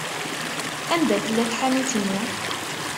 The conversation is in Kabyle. Anda tella tḥanut-nni?